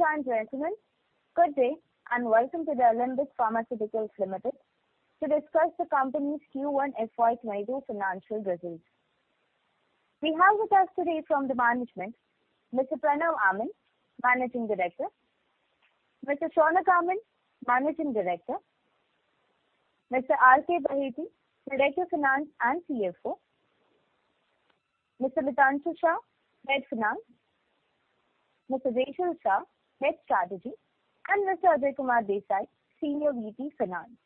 Ladies and gentlemen, good day. Welcome to the Alembic Pharmaceuticals Limited to discuss the company's Q1 FY 2022 financial results. We have with us today from the management, Mr. Pranav Amin, Managing Director, Mr. Shaunak Amin, Managing Director, Mr. R.K. Baheti, Director Finance and CFO, Mr. Mitanshu Shah, Head Finance, Mr. Jesal Shah, Head Strategy, and Mr. Ajay Kumar Desai, Senior VP Finance.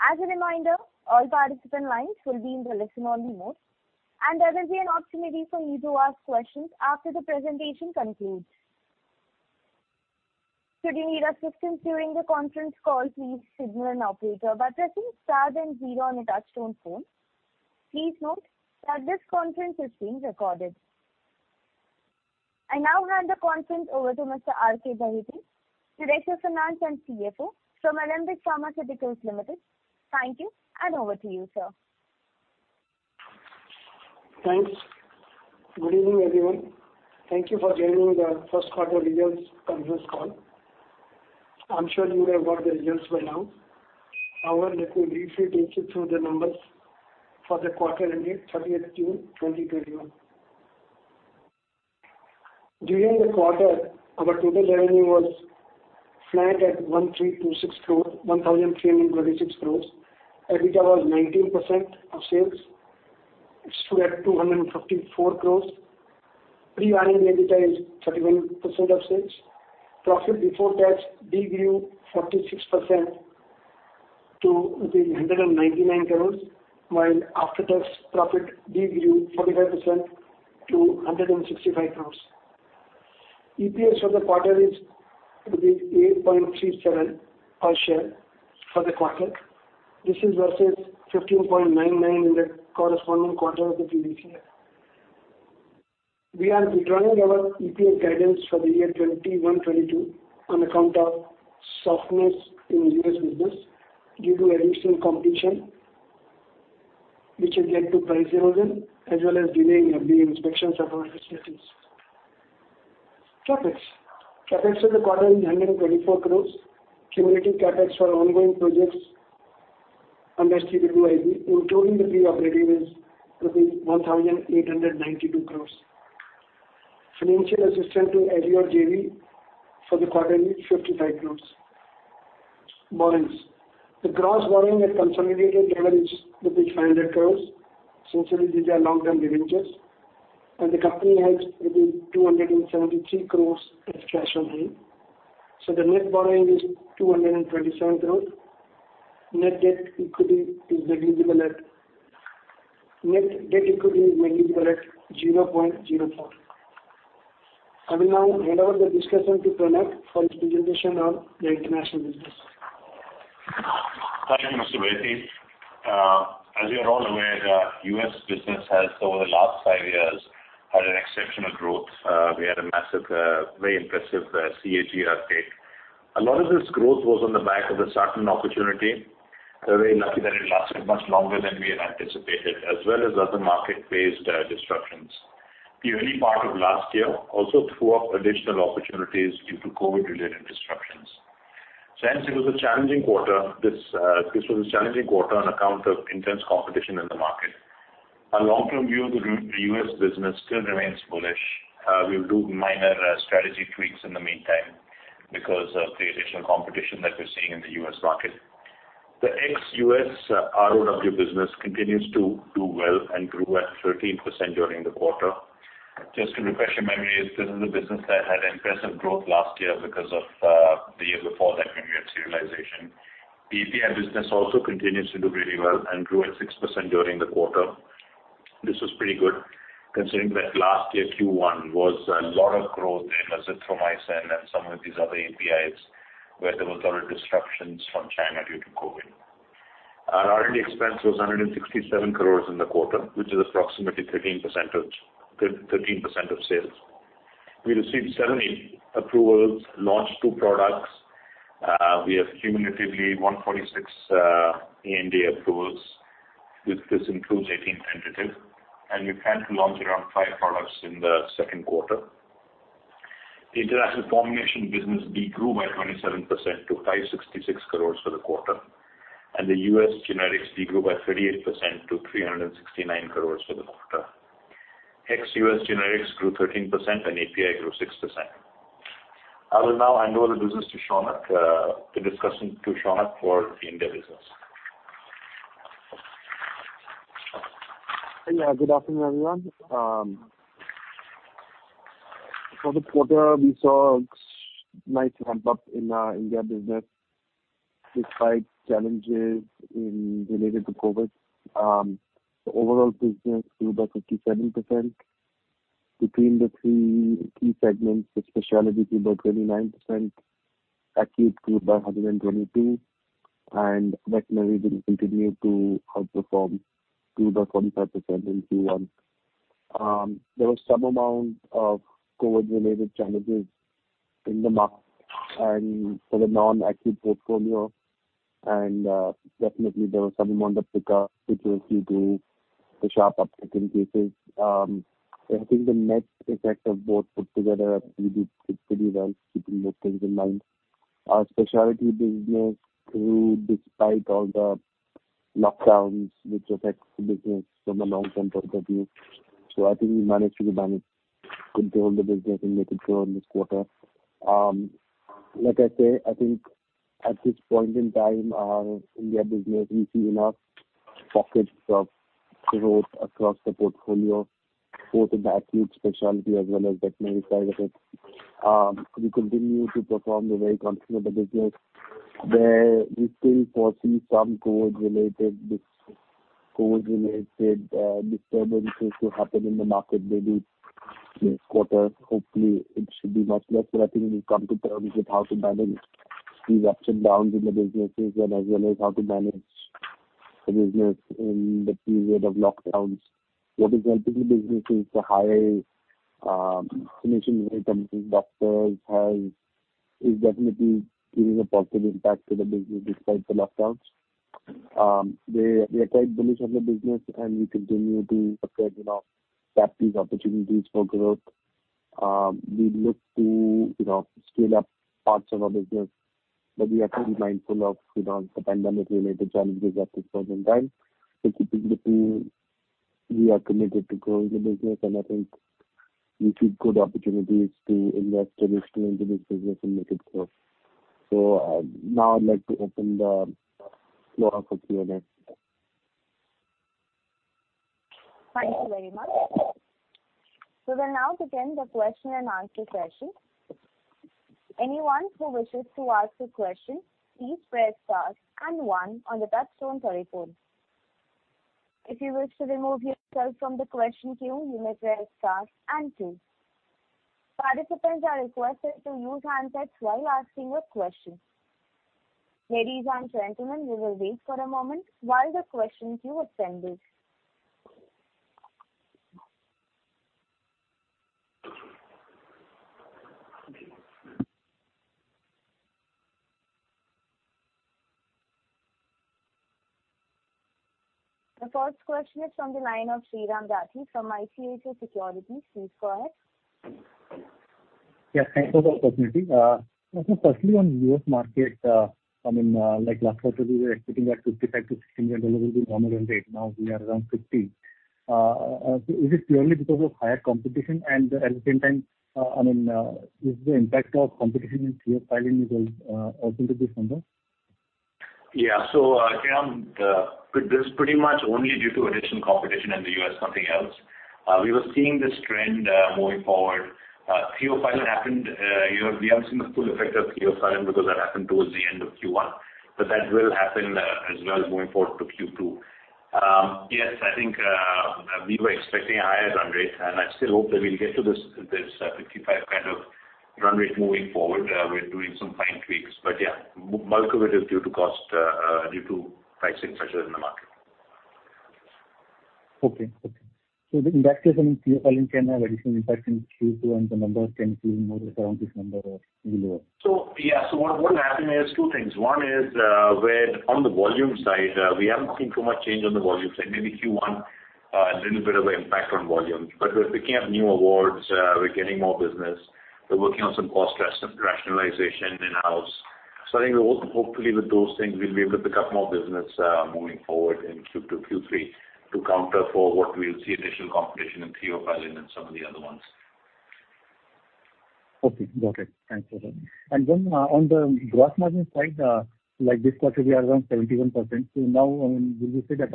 As a reminder, all participant lines will be in the listen-only mode. There will be an opportunity for you to ask questions after the presentation concludes. Should you need assistance during the conference call, please signal an operator by pressing Star and Zero on your touch-tone phone. Please note that this conference is being recorded. I now hand the conference over to Mr. R.K. Baheti, Director Finance and CFO from Alembic Pharmaceuticals Limited. Thank you. Over to you, sir. Thanks. Good evening, everyone. Thank you for joining the first quarter results conference call. I'm sure you have got the results by now. Let me briefly take you through the numbers for the quarter ending 30th June 2021. During the quarter, our total revenue was flat at 1,326 crores. EBITDA was 19% of sales. It stood at 254 crores. Pre-interest EBITDA is 31% of sales. Profit before tax de grew 46% to 199 crores, while after-tax profit de grew 45% to 165 crores. EPS for the quarter is 8.67 per share for the quarter. This is versus 15.99 in the corresponding quarter of the previous year. We are withdrawing our EPS guidance for the year 2021/2022 on account of softness in U.S. business due to increased competition, which has led to price erosion as well as delaying of the inspections of our facilities. Capex. CapEx for the quarter is 124 crores. Cumulative CapEx for ongoing projects under CWIP, including the pre-operative is rupees 1,892 crores. Financial assistance to Aleor JV for the quarter is 55 crores. Borrowings. The gross borrowing at consolidated level is rupees 500 crores, since these are long-term arrangements, and the company has rupees 273 crores as cash on hand. The net borrowing is 227 crores. Net debt-equity is negligible at 0.04. I will now hand over the discussion to Pranav for his presentation on the international business. Thank you, Mr. Baheti. As we are all aware, the U.S. business has over the last five years had an exceptional growth. We had a massive, very impressive CAGR uptake. A lot of this growth was on the back of a sartan opportunity. We're very lucky that it lasted much longer than we had anticipated, as well as other market-based disruptions. The early part of last year also threw up additional opportunities due to COVID-related disruptions. Since it was a challenging quarter, this was a challenging quarter on account of intense competition in the market. Our long-term view of the U.S. business still remains bullish. We'll do minor strategy tweaks in the meantime because of the additional competition that we're seeing in the U.S. market. The ex-U.S. ROW business continues to do well and grew at 13% during the quarter. Just to refresh your memories, this is a business that had impressive growth last year because of the year before that when we had serialization. The API business also continues to do really well and grew at 6% during the quarter. This was pretty good considering that last year Q1 was a lot of growth in azithromycin and some of these other APIs, where there was a lot of disruptions from China due to COVID. Our R&D expense was 167 crores in the quarter, which is approximately 13% of sales. We received seven approvals, launched two products. We have cumulatively 146 ANDA approvals. This includes 18 tentative, and we plan to launch around five products in the second quarter. The international formulation business de grew by 27% to 566 crores for the quarter, and the U.S. generics de grew by 38% to 369 crores for the quarter. Ex-US generics grew 13% and API grew 6%. I will now hand over the business to Shaunak, the discussion to Shaunak for the India business. Yeah. Good afternoon, everyone. For the quarter, we saw a nice ramp-up in our India business despite challenges related to COVID. The overall business grew by 57%. Between the three key segments, the specialty grew by 29%, acute grew by 122%, veterinary continued to outperform, grew by 45% in Q1. There was some amount of COVID-related challenges in the market and for the non-acute portfolio, definitely there was some amount of pickup, which was due to the sharp uptick in cases. I think the net effect of both put together, I think we did pretty well keeping those things in mind. Our specialty business grew despite all the lockdowns, which affects the business from a long-term point of view. I think we managed to control the business and make it grow in this quarter. I say, I think at this point in time, our India business, we see enough pockets of growth across the portfolio, both the acute specialty as well as the generic side of it. We continue to perform the very comfortable business. There we still foresee some COVID-related disturbances to happen in the market, maybe this quarter. Hopefully, it should be much less, but I think we've come to terms with how to manage these ups and downs in the businesses, and as well as how to manage the business in the period of lockdowns. What is helping the business is the high clinicians we have, companies, doctors, health, is definitely giving a positive impact to the business despite the lockdowns. We are quite bullish on the business, and we continue to assess these opportunities for growth. We look to scale up parts of our business, but we are kind of mindful of the pandemic-related challenges at this present time. Keeping the two, we are committed to growing the business, and I think we see good opportunities to invest in this business and make it grow. Now I'd like to open the floor for Q&A. Thank you very much. We're now to begin the question and answer session. Anyone who wishes to ask a question, please press star and one on the touch-tone telephone. If you wish to remove yourself from the question queue, you may press star and two. Participants are requested to use handsets while asking a question. Ladies and gentlemen, we will wait for a moment while the question queue is tended. The first question is from the line of Shriraj Gandhi from ICICI Securities. Please go ahead. Thanks for the opportunity. Firstly, on U.S. market, last quarter, we were expecting that $55 million-$60 million will be normalized rate. Now we are around $50 million. Is it purely because of higher competition? At the same time, is the impact of competition in theophylline as well open to this number? Shriraj, this is pretty much only due to additional competition in the U.S., nothing else. We were seeing this trend moving forward. theophylline happened. We haven't seen the full effect of theophylline because that happened towards the end of Q1, that will happen as well as going forward to Q2. I think, we were expecting a higher run rate, I still hope that we'll get to this $55 kind of run rate moving forward. We're doing some fine tweaks, yeah, bulk of it is due to pricing pressures in the market. Okay. The impact of theophylline can have additional impact in Q2, and the numbers can be more around this number or below. Yeah. What will happen is two things. One is, where on the volume side, we haven't seen too much change on the volume side. Maybe Q1, a little bit of an impact on volume. We're picking up new awards. We're getting more business. We're working on some cost rationalization in-house. I think hopefully with those things, we'll be able to pick up more business, moving forward in Q2, Q3 to counter for what we'll see additional competition in theophylline and some of the other ones. Okay, got it. Thanks for that. On the gross margin side, like this quarter, we are around 71%. Will you say that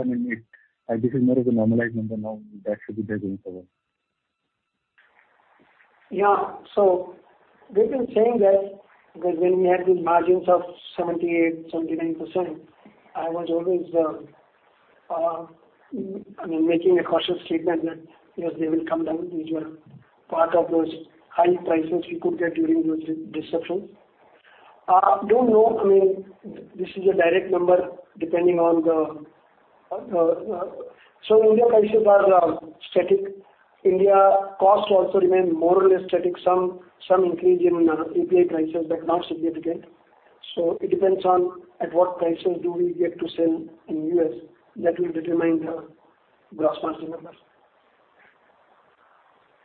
this is more of a normalized number now that should be there going forward? Yeah. We've been saying that when we had these margins of 78%, 79%, I was always making a cautious statement that, yes, they will come down. These were part of those high prices we could get during those disruptions. Don't know. India prices are static. India cost also remain more or less static. Some increase in API prices, but not significant. It depends on at what prices do we get to sell in U.S. That will determine the gross margin numbers.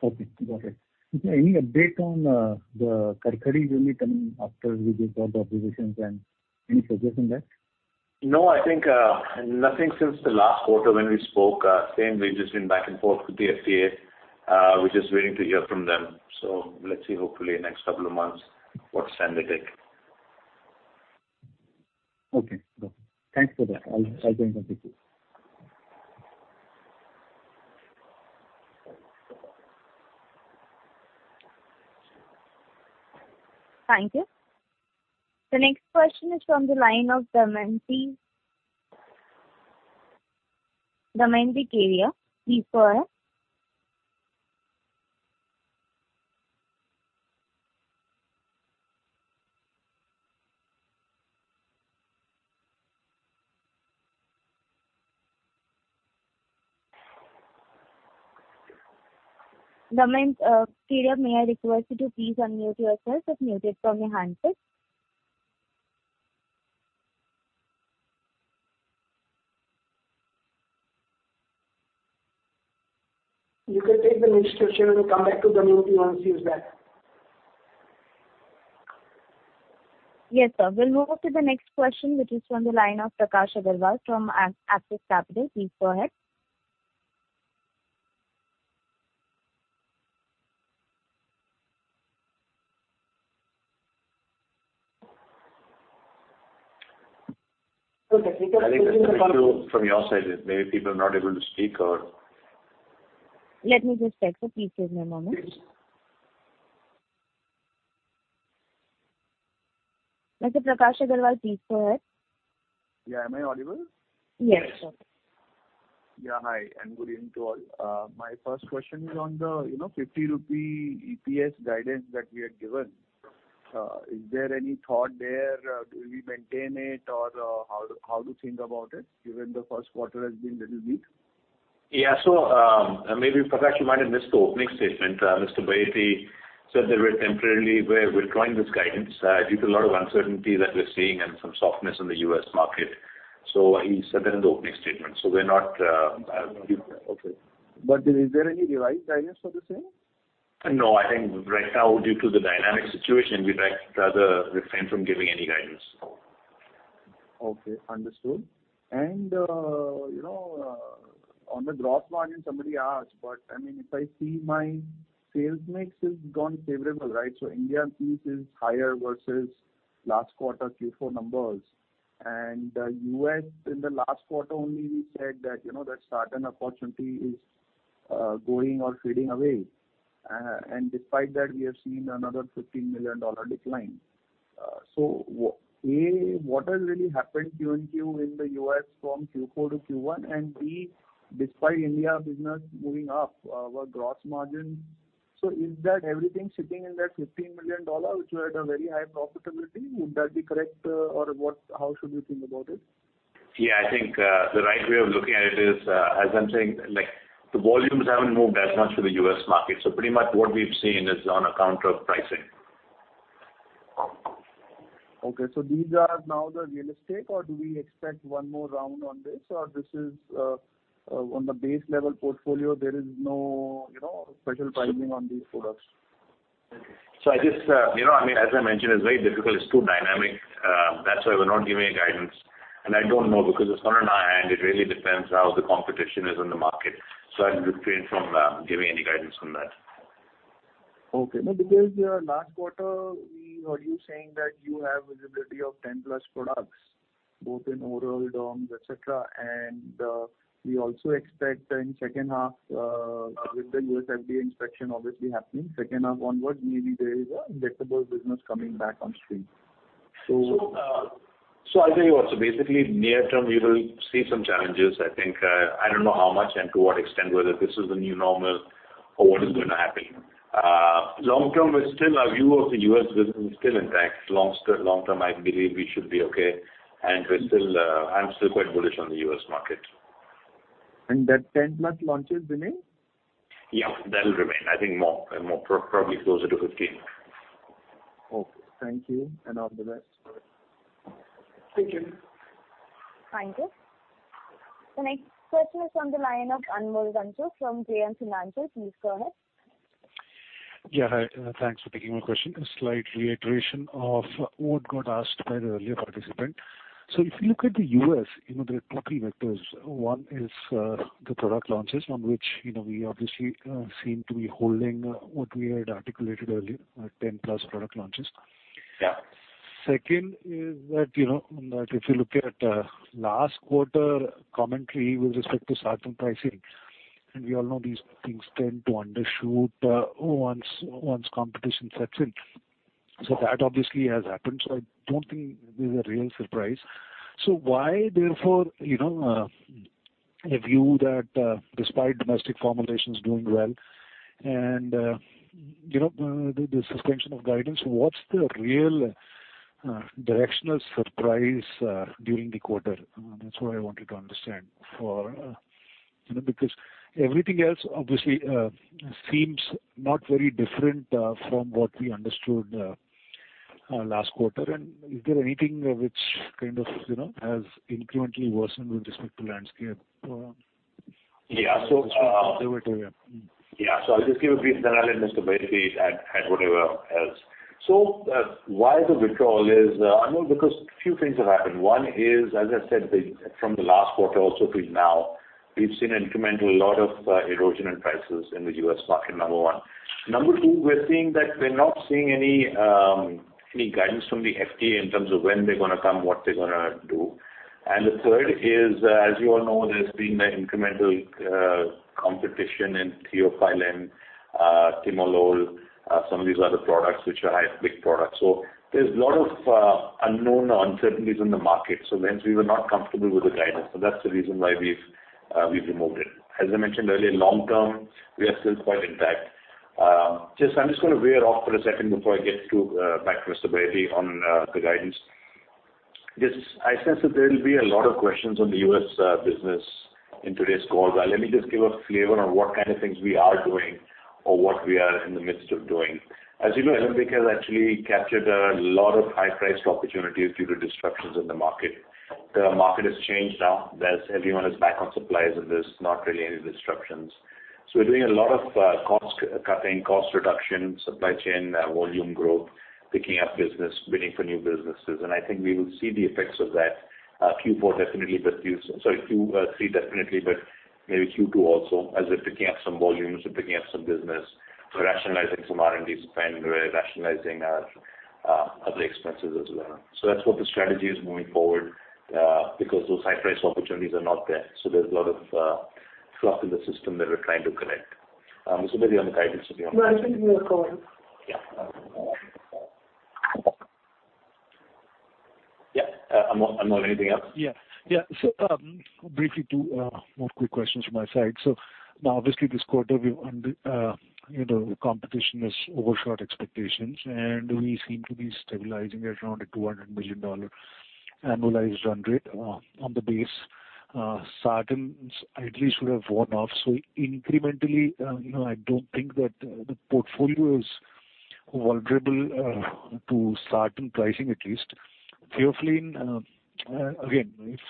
Okay, got it. Any update on the Karakhadi journey coming after we gave all the observations and any progress on that? I think, nothing since the last quarter when we spoke. Same, we've just been back and forth with the FDA. We're just waiting to hear from them. Let's see, hopefully next couple of months, what stand they take. Okay, got it. Thanks for that. I'll join back with you. Thank you. The next question is from the line of Damayanti Kerai. Please go ahead. Damayanti Kerai, may I request you to please unmute yourself? It's muted from your end, sir. You can take the next question and come back to Damayanti if he wants to use that. Yes, sir. We'll move to the next question, which is from the line of Prakash Agarwal from Axis Capital. Please go ahead. Okay. I think there's an issue from your side. Maybe people are not able to speak or. Let me just check, sir. Please give me a moment. Yes. Mr. Prakash Agarwal, please go ahead. Yeah. Am I audible? Yes, sir. Yeah, hi, good evening to all. My first question is on the 50 rupee EPS guidance that we had given. Is there any thought there? Do we maintain it or how to think about it, given the first quarter has been little weak? Yeah. Maybe, Prakash, you might have missed the opening statement. Mr. R.K. Baheti said that we're temporarily withdrawing this guidance due to a lot of uncertainty that we're seeing and some softness in the U.S. market. Okay. Is there any revised guidance for the same? No, I think right now, due to the dynamic situation, we'd rather refrain from giving any guidance. Understood. On the gross margin, somebody asked, if I see my sales mix has gone favorable, right? India piece is higher versus last quarter Q4 numbers. U.S., in the last quarter only, we said that sartan opportunity is going or fading away. Despite that, we have seen another $15 million decline. A, what has really happened QoQ in the U.S. from Q4 to Q1, B, despite India business moving up our gross margin. Is that everything sitting in that $15 million, which we had a very high profitability, would that be correct? How should we think about it? Yeah, I think, the right way of looking at it is, as I'm saying, the volumes haven't moved as much for the U.S. market, so pretty much what we've seen is on account of pricing. Okay, these are now the realistic, or do we expect one more round on this, or this is on the base level portfolio, there is no special pricing on these products? As I mentioned, it is very difficult. It is too dynamic. That is why we are not giving any guidance. I don't know because it is not in our hand. It really depends how the competition is in the market. I would refrain from giving any guidance on that. Okay. No, because last quarter we heard you saying that you have visibility of 10-plus products, both in oral, derms, et cetera. We also expect in second half with the U.S. FDA inspection obviously happening second half onwards, maybe there is a injectable business coming back on stream. I'll tell you what. Basically, near term, we will see some challenges, I think. I don't know how much and to what extent, whether this is the new normal or what is going to happen. Long term, our view of the U.S. business is still intact. Long term, I believe we should be okay, and I'm still quite bullish on the U.S. market. That 10-plus launches remain? Yeah, that'll remain. I think more, probably closer to 15. Okay. Thank you, and all the best. Thank you. Thank you. The next question is from the line of Anmol Ganjoo from JM Financial. Please go ahead. Yeah, hi. Thanks for taking my question. A slight reiteration of what got asked by the earlier participant. If you look at the U.S., there are two key vectors. One is the product launches, on which we obviously seem to be holding what we had articulated earlier, 10-plus product launches. Yeah. Second is that, if you look at last quarter commentary with respect to certain pricing, we all know these things tend to undershoot once competition sets in. That obviously has happened. I don't think this is a real surprise. Why, therefore, a view that despite domestic formulations doing well and the suspension of guidance, what's the real directional surprise during the quarter? That's what I wanted to understand. Everything else obviously seems not very different from what we understood last quarter. Is there anything which has incrementally worsened with respect to landscape or- I'll just give a brief, then I'll let Mr. Baheti add whatever else. Why the withdrawal is, Anmol, because few things have happened. One is, as I said, from the last quarter also till now, we've seen incremental lot of erosion in prices in the U.S. market, number one. Number two, we're seeing that we're not seeing any guidance from the FDA in terms of when they're going to come, what they're going to do. The third is, as you all know, there's been the incremental competition in theophylline, timolol, some of these other products which are high pick products. There's lot of unknown uncertainties in the market. Hence we were not comfortable with the guidance. That's the reason why we've removed it. As I mentioned earlier, long term, we are still quite intact. I'm just going to veer off for a second before I get back to Mr. Baheti on the guidance. Yes, I sense that there will be a lot of questions on the U.S. business in today's call. Let me just give a flavor on what kind of things we are doing or what we are in the midst of doing. As you know, Alembic has actually captured a lot of high-priced opportunities due to disruptions in the market. The market has changed now. Everyone is back on suppliers, and there's not really any disruptions. We're doing a lot of cost cutting, cost reduction, supply chain, volume growth, picking up business, bidding for new businesses, and I think we will see the effects of that Q4 definitely, but Q3 definitely, but maybe Q2 also, as we're picking up some volumes, we're picking up some business. We're rationalizing some R&D spend. We're rationalizing our other expenses as well. That's what the strategy is moving forward, because those high-priced opportunities are not there. There's a lot of fluff in the system that we're trying to correct. No, I think you were calling. Yeah. Yeah. Anmol, anything else? Briefly, two more quick questions from my side. Now obviously this quarter, the competition has overshot expectations, and we seem to be stabilizing at around a $200 million annualized run rate on the base. Sartans at least would have worn off. Incrementally, I don't think that the portfolio is vulnerable to sartan pricing, at least. theophylline, again, if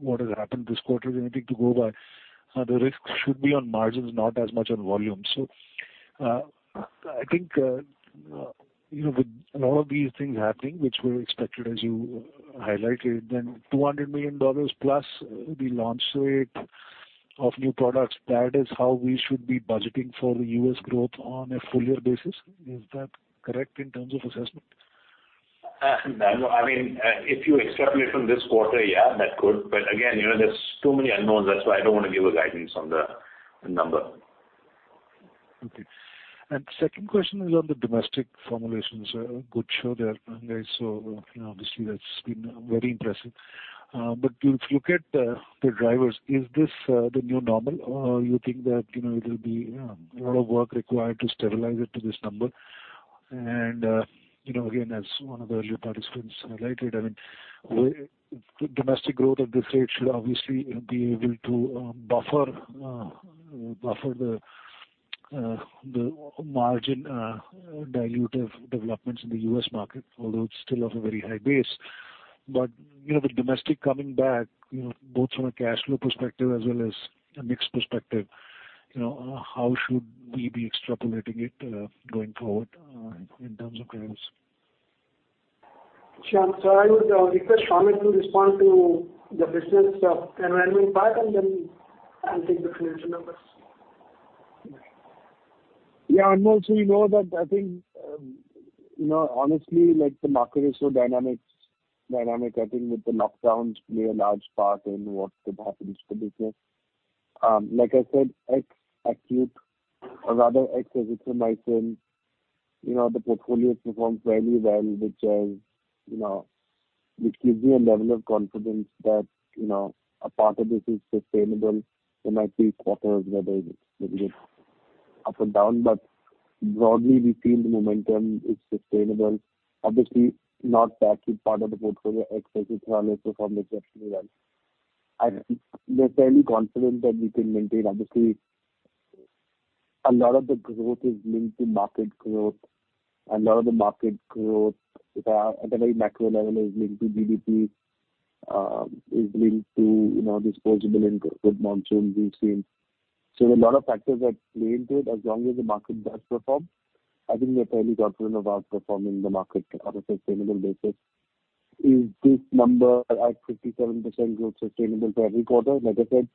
what has happened this quarter is anything to go by, the risk should be on margins, not as much on volume. I think, with a lot of these things happening, which were expected, as you highlighted, then $200 million plus the launch rate of new products, that is how we should be budgeting for the U.S. growth on a full year basis. Is that correct in terms of assessment? Anmol, if you extrapolate from this quarter, yeah, that could. Again, there's too many unknowns. That's why I don't want to give a guidance on the number. Okay. Second question is on the domestic formulations. Good show there, guys. Obviously that's been very impressive. If you look at the drivers, is this the new normal or you think that it will be a lot of work required to stabilize it to this number? Again, as one of the earlier participants highlighted, domestic growth at this rate should obviously be able to buffer the margin dilutive developments in the U.S. market, although it is still off a very high base. With domestic coming back, both from a cash flow perspective as well as a mix perspective, how should we be extrapolating it going forward in terms of guidance? Sure. I would request Shaunak Amin to respond to the business environment part, and then I'll take the financial numbers. Yeah. Anmol, you know that I think, honestly, the market is so dynamic. I think with the lockdowns play a large part in what could happen to the business. Like I said, ex-acute or rather ex-azithromycin, the portfolio performs fairly well, which gives me a level of confidence that a part of this is sustainable. There might be quarters where there is little bit up and down, but broadly, we feel the momentum is sustainable. Obviously, not that big part of the portfolio, ex-azithromycin, has performed exceptionally well. I'm fairly confident that we can maintain. Obviously, a lot of the growth is linked to market growth. A lot of the market growth at a very macro level is linked to GDP, is linked to this possible good monsoons we've seen. A lot of factors that play into it as long as the market does perform. I think we're fairly confident about performing the market on a sustainable basis. Is this number at 57% growth sustainable for every quarter? Like I said,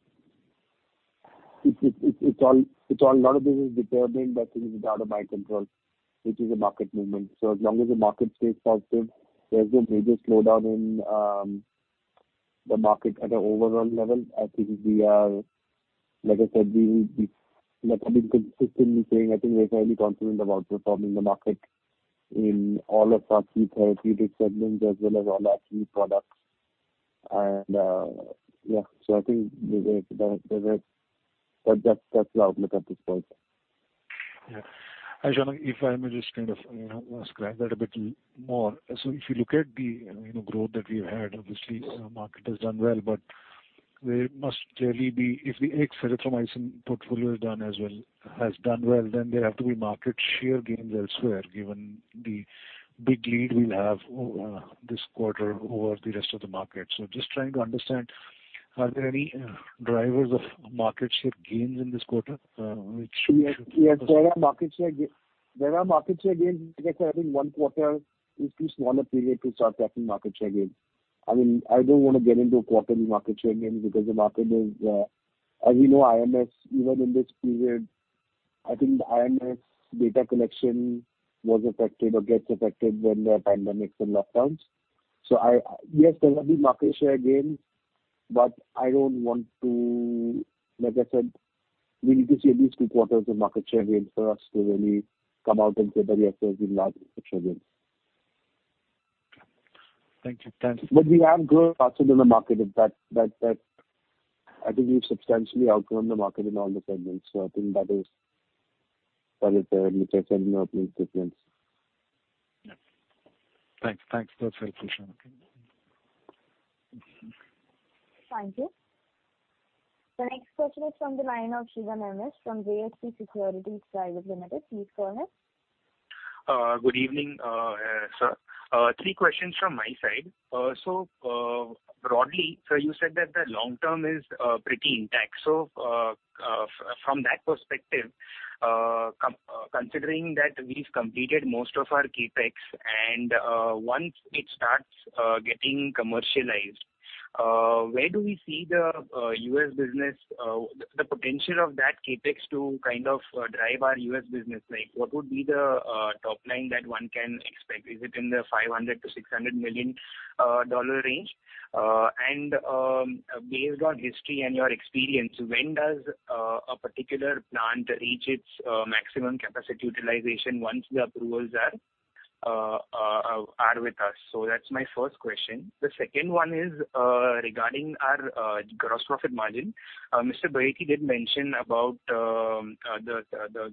a lot of this is determined, but it is out of my control, which is a market movement. As long as the market stays positive, there's no major slowdown in the market at an overall level. Like I said, we've been consistently saying I think we're fairly confident about performing the market in all of our key therapeutic segments as well as all our key products. Yeah. I think that's the outlook at this point. Yeah. Shaunak Amin, if I may just kind of scratch that a bit more. If you look at the growth that we've had, obviously the market has done well. There must really be, if the ex-azithromycin portfolio has done well, then there have to be market share gains elsewhere given the big lead we have this quarter over the rest of the market. Just trying to understand, are there any drivers of market share gains in this quarter which- Yes, there are market share gains. Like I said, I think one quarter is too small a period to start tracking market share gains. I don't want to get into a quarter market share gains because the market is As you know, IMS, even in this period, I think the IMS data collection was affected or gets affected when there are pandemics and lockdowns. Yes, there have been market share gains, but I don't want to Like I said, we need to see at least two quarters of market share gains for us to really come out and say that, "Yes, there's been large market share gains. Thank you. We have grown faster than the market. I think we've substantially outgrown the market in all the segments. For which I send you our presentation. Yeah. Thanks. That's very clear. Thank you. The next question is from the line of Shivan MS from JHP Securities Private Limited. Please go ahead. Good evening, sir. Three questions from my side. Broadly, sir, you said that the long term is pretty intact. From that perspective, considering that we've completed most of our CapEx and once it starts getting commercialized, where do we see the potential of that CapEx to kind of drive our U.S. business? What would be the top line that one can expect? Is it in the $500 million-$600 million range? Based on history and your experience, when does a particular plant reach its maximum capacity utilization once the approvals are with us? That's my first question. The second one is regarding our gross profit margin. Mr. Baheti did mention about the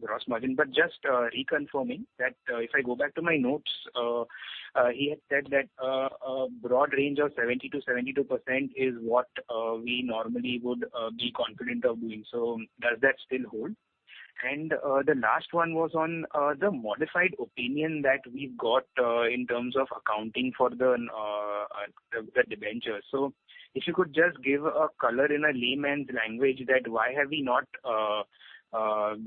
gross margin. Just reconfirming, that if I go back to my notes, he had said that a broad range of 70%-72% is what we normally would be confident of doing. Does that still hold? The last one was on the modified opinion that we've got in terms of accounting for the debentures. If you could just give a color in a layman's language that why have we not followed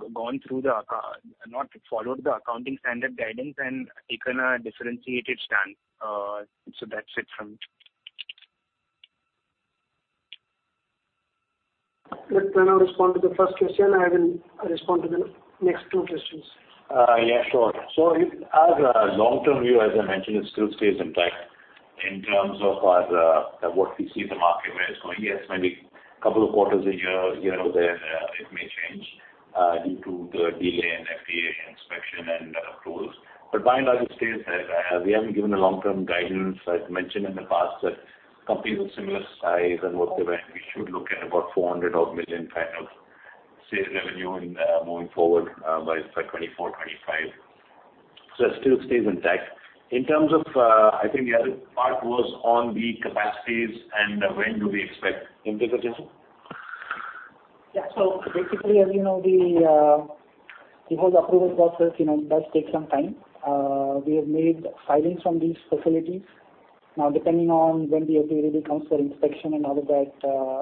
the accounting standard guidance and taken a differentiated stand. That's it from me. Pranav will respond to the first question, I will respond to the next two questions. Yeah, sure. Our long-term view, as I mentioned, still stays intact in terms of what we see the market where it's going. Yes, maybe two quarters a year over there, it may change due to the delay in FDA inspection and approvals. By and large, it stays as we haven't given a long-term guidance. I'd mentioned in the past that companies of similar size and what they went, we should look at about 400 odd million kind of sales revenue in moving forward by FY 2024, 2025. That still stays intact. In terms of, I think the other part was on the capacities and when do we expect integration. Yeah. Basically, as you know, the whole approval process does take some time. We have made filings from these facilities. Depending on when the FDA really comes for inspection and all of that,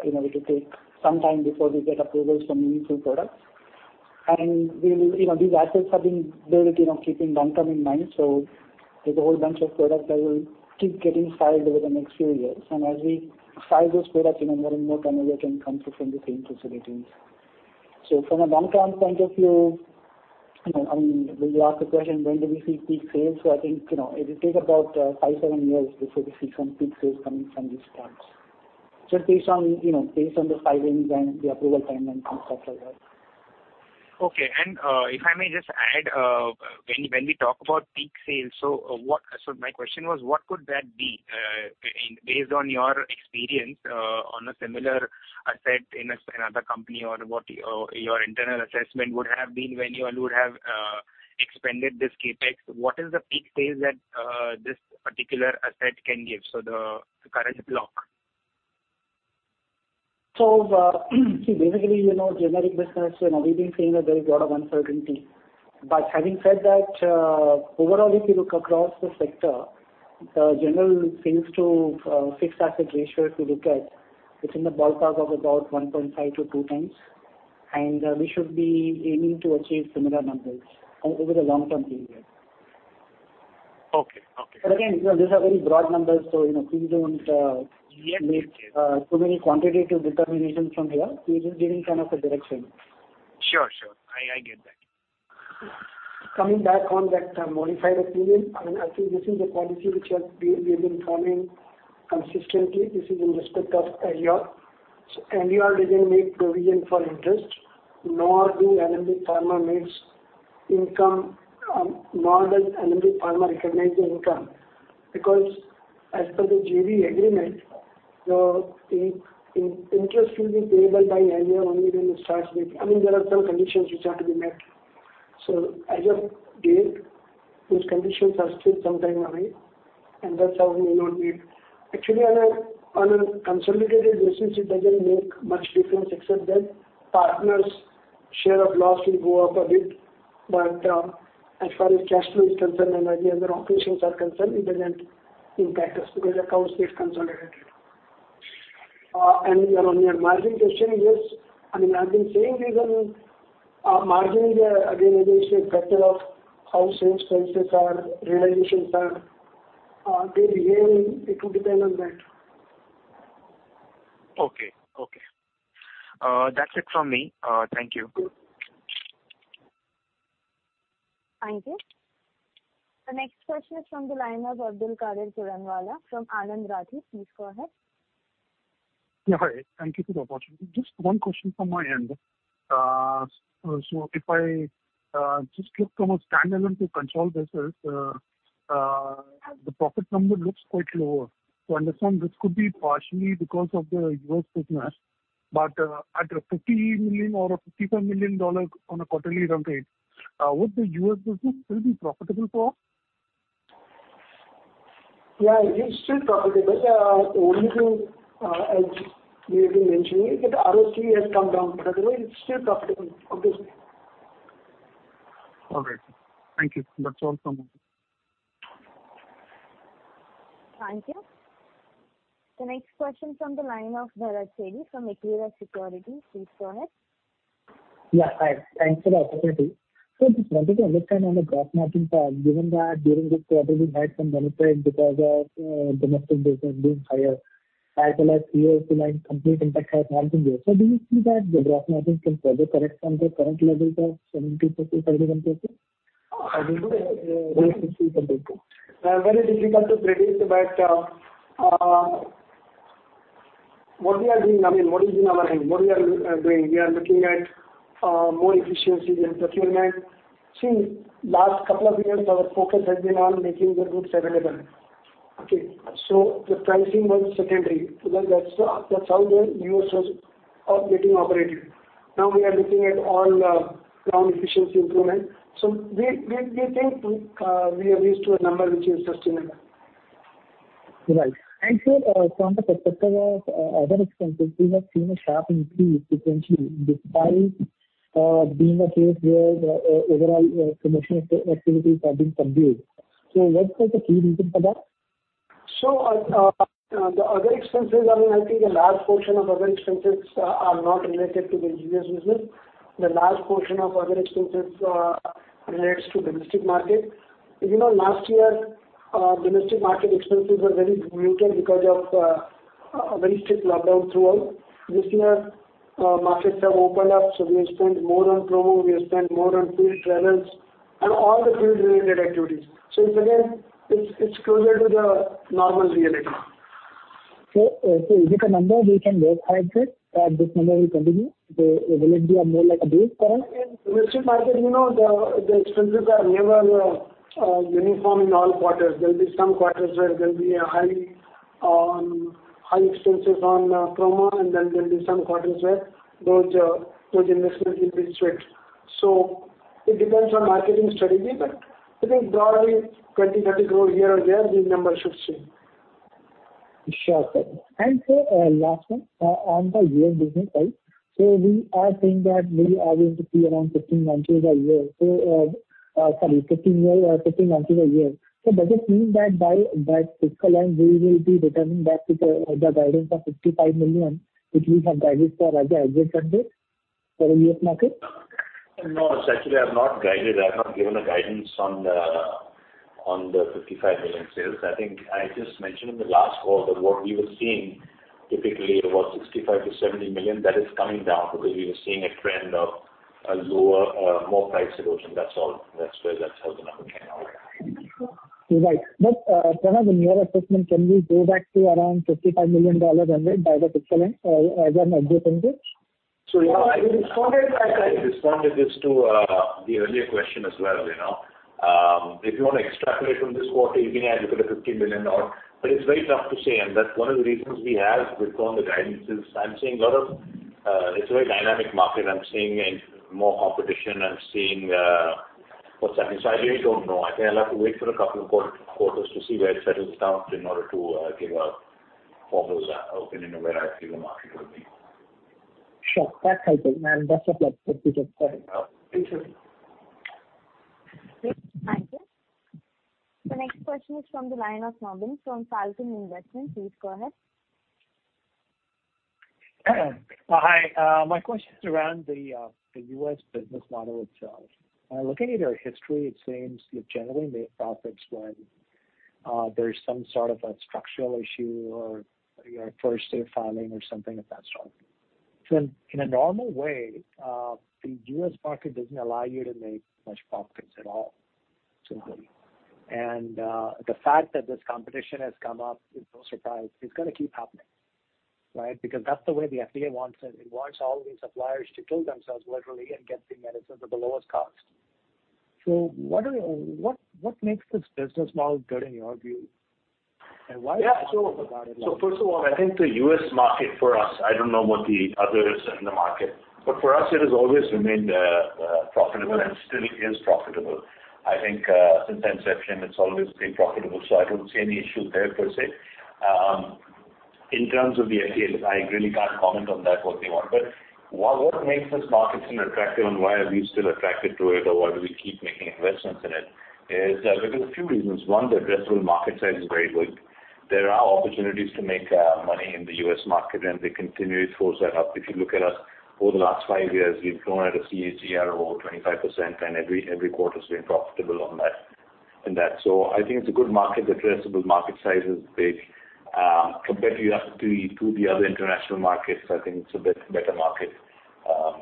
it will take some time before we get approvals from meaningful products. These assets have been built keeping long term in mind. There's a whole bunch of products that will keep getting filed over the next few years. As we file those products, more and more revenue can come through from the same facilities. From a long-term point of view, when you ask the question, when do we see peak sales? I think, it'll take about five, seven years before we see some peak sales coming from these plants. Based on the filings and the approval time and stuff like that. Okay. If I may just add, when we talk about peak sales, my question was, what could that be? Based on your experience on a similar asset in another company or what your internal assessment would have been when you would have expended this CapEx, what is the peak sales that this particular asset can give? The current block. Basically, generic business, we've been seeing that there is a lot of uncertainty. Having said that, overall, if you look across the sector, the general sales to fixed asset ratio, if you look at, it's in the ballpark of about 1.5-2 times, and we should be aiming to achieve similar numbers over the long-term period. Okay. Again, these are very broad numbers, so please don't- Yes Make too many quantitative determinations from here. We're just giving kind of a direction. Sure. I get that. Coming back on that modified opinion. I think this is a policy which we have been forming consistently. This is in respect of Aleor. Aleor didn't make provision for interest, nor do Alembic Pharmaceuticals recognize the income, because as per the JV agreement, the interest will be payable by Aleor only when There are some conditions which have to be met. As of date, those conditions are still some time away, and that's how we may not meet. Actually, on a consolidated basis, it doesn't make much difference except that partners' share of loss will go up a bit. As far as cash flow is concerned and as the operations are concerned, it doesn't impact us because accounts get consolidated. On your margin question, yes. I've been saying this on margins are, again, as I said, a factor of how sales prices are, realizations are. They behave. It will depend on that. Okay. That's it from me. Thank you. Thank you. The next question is from the line of Abdul Kader Puranwala from Anand Rathi. Please go ahead. Yeah. Hi. Thank you for the opportunity. Just one question from my end. If I just look from a standalone to consolidated, the profit number looks quite lower. I understand this could be partially because of the U.S. business. But at a $50 million or a $55 million on a quarterly run rate, would the U.S. business still be profitable for us? Yeah, it is still profitable. Only two, as we have been mentioning, the ROC has come down, but otherwise, it's still profitable, obviously. All right. Thank you. That's all from me. Thank you. The next question from the line of Bharat Celly from Equirus Securities. Please go ahead. Yeah, hi. Thanks for the opportunity. Sir, just wanted to understand on the gross margin side, given that during this quarter you had some benefit because of domestic business being higher, five plus years to like complete impact has not been there. Do you see that the gross margin can further correct from the current levels of 70$, 65%? Or do you see some risk? Very difficult to predict. What we are doing, what is in our hand? What we are doing, we are looking at more efficiency in procurement. See, last couple of years, our focus has been on making the goods available. Okay. The pricing was secondary because that's how the U.S. was operating. Now we are looking at all-round efficiency improvement. We think we have reached to a number which is sustainable. Right. Sir, from the perspective of other expenses, we have seen a sharp increase sequentially, despite being a case where the overall promotional activities have been subdued. What is the key reason for that? The other expenses, I think a large portion of other expenses are not related to the generics business. The large portion of other expenses relates to domestic market. Last year, domestic market expenses were very muted because of a very strict lockdown throughout. This year, markets have opened up, so we have spent more on promo, we have spent more on field travels and all the field related activities. It's, again, it's closer to the normal reality. Is it a number we can look out that this number will continue? Will it be more like a base for us? In domestic market, the expenses are never uniform in all quarters. There'll be some quarters where there'll be high expenses on promo, and then there'll be some quarters where those investments will be strict. It depends on marketing strategy, but I think broadly 20%, 30% growth here or there, these numbers should stay. Sure, sir. Sir, last one, on the U.S. business side. We are saying that maybe are going to be around $50 million a quarter. Sorry, $50 million a quarter. Does it mean that by that fiscal end, we will be returning back to the guidance of $55 million, which we have guided for the adjacent quarter for the U.S. market? No. Actually, I've not guided. I've not given a guidance on the $55 million sales. I think I just mentioned in the last call that what we were seeing typically was $65 million-$70 million. That is coming down because we were seeing a trend of a lower, more price erosion. That's all. That's where that number came already. Right. Pranav, in your assessment, can we go back to around $55 million annual by the fiscal end or as an aggregate number? Yeah, I responded this to the earlier question as well. If you want to extrapolate from this quarter, you can add a $15 million or It's very tough to say, and that's one of the reasons we have withdrawn the guidance is I'm seeing a lot of It's a very dynamic market. I'm seeing more competition. I'm seeing what's happening. I really don't know. I think I'll have to wait for a couple of quarters to see where it settles down in order to give a formal opinion of where I feel the market will be. Sure. That's helpful. Best of luck for future quarter. Thank you. Great. Thank you. The next question is from the line of Norman from Falcon Investments. Please go ahead. Hi. My question is around the U.S. business model itself. Looking at your history, it seems you've generally made profits when there's some sort of a structural issue or first aid filing or something of that sort. In a normal way, the U.S. market doesn't allow you to make much profits at all, simply. The fact that this competition has come up is no surprise. It's going to keep happening. Right? Because that's the way the FDA wants it. It wants all these suppliers to kill themselves literally and get the medicines at the lowest cost. What makes this business model good in your view? Yeah. First of all, I think the U.S. market for us, I don't know about the others in the market, but for us, it has always remained profitable and still is profitable. I think since inception, it's always been profitable. I don't see any issue there per se. In terms of the FDA, I really can't comment on that, what they want. What makes this market seem attractive and why are we still attracted to it, or why do we keep making investments in it is because a few reasons. One, the addressable market size is very good. There are opportunities to make money in the U.S. market, they continuously close that up. If you look at us over the last five years, we've grown at a CAGR of over 25%, every quarter has been profitable on that. I think it's a good market. Addressable market size is big. Compared to the other international markets, I think it's a better market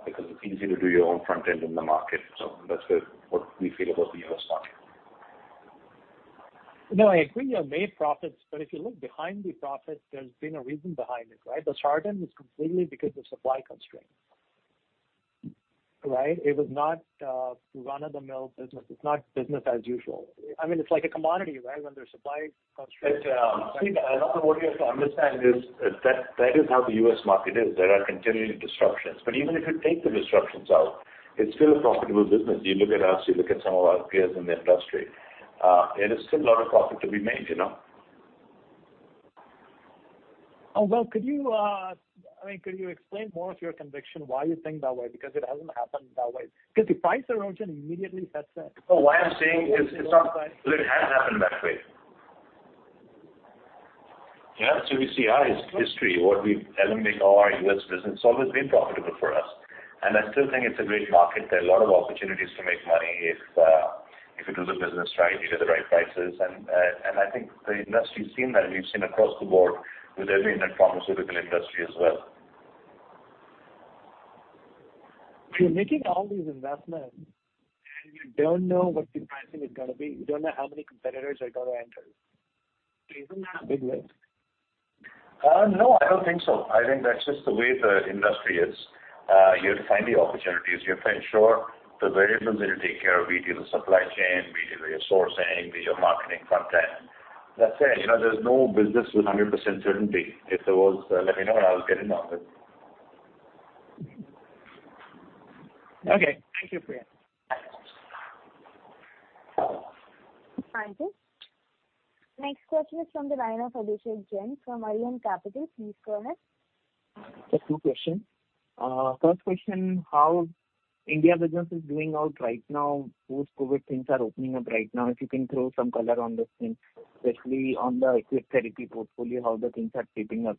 because it's easy to do your own front end in the market. That's what we feel about the U.S. market. I agree you have made profits, but if you look behind the profits, there's been a reason behind it, right? The sartan was completely because of supply constraint, right? It was not run-of-the-mill business. It's not business as usual. It's like a commodity, right? When there's supply constraints. I think what you have to understand is that is how the U.S. market is. There are continuing disruptions. Even if you take the disruptions out, it's still a profitable business. You look at us, you look at some of our peers in the industry, there is still a lot of profit to be made. Well, could you explain more of your conviction, why you think that way? Because it hasn't happened that way. Because the price erosion immediately sets in. No, why I'm saying is it has happened that way. We see our history, Alembic, our U.S. business, it's always been profitable for us, and I still think it's a great market. There are a lot of opportunities to make money if you do the business right, you get the right prices, and I think the industry's seen that. We've seen across the board with generic pharmaceutical industry as well. If you're making all these investments and you don't know what the pricing is going to be, you don't know how many competitors are going to enter. Isn't that a big risk? No, I don't think so. I think that's just the way the industry is. You have to find the opportunities. You have to ensure the variables that you take care of, be it the supply chain, be it your sourcing, be it your marketing content. That's it. There's no business with 100% certainty. If there was, let me know and I'll get involved with it. Okay. Thank you, Pranav. Thank you. Next question is from the line of Abhishek Jain from Arihant Capital. Please go ahead. Just two questions. First question, how India business is doing out right now, post-COVID, things are opening up right now. If you can throw some color on this thing, especially on the acute therapy portfolio, how the things are shaping up.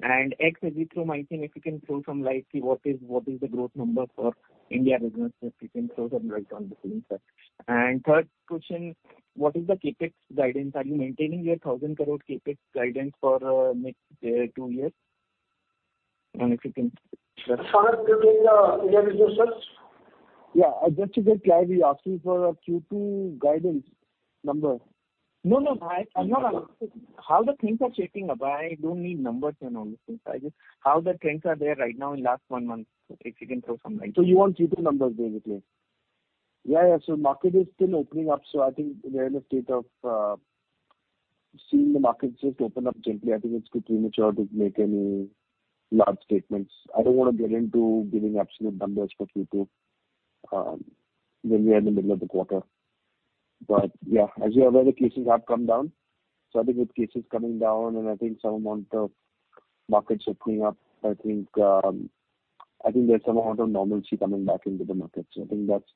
Ex-azithromycin, I think if you can throw some light, see what is the growth number for India business. If you can throw some light on this thing, sir. Third question, what is the CapEx guidance? Are you maintaining your 1,000 crore CapEx guidance for next two years? For India business? Yeah. Just to get clarity, asking for Q2 guidance number. No, I'm not asking. How the things are shaping up. I don't need numbers and all those things. Just how the trends are there right now in last one month. If you can throw some light. You want Q2 numbers basically? Market is still opening up, so I think we are in a state of seeing the markets just open up gently. I think it's bit premature to make any large statements. I don't want to get into giving absolute numbers for Q2 when we are in the middle of the quarter. As you're aware, the cases have come down. I think with cases coming down and I think some amount of markets opening up, I think there's some amount of normalcy coming back into the market. I think that's